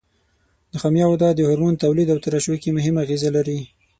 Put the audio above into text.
نخامیه غده د هورمون تولید او ترشح کې مهمه اغیزه لري.